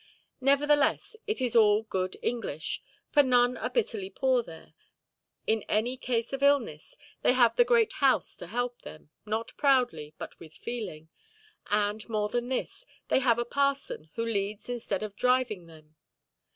Nevertheless, it is all good English; for none are bitterly poor there; in any case of illness, they have the great house to help them, not proudly, but with feeling; and, more than this, they have a parson who leads instead of driving them.